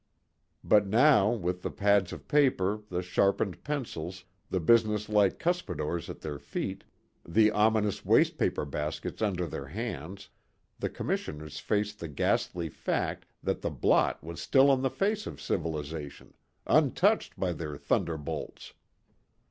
But now with the pads of paper, the sharpened pencils, the businesslike cuspidors at their feet, the ominous wastepaper baskets under their hands, the commissioners faced the ghastly fact that the blot was still on the face of civilization, untouched by their thunderbolts.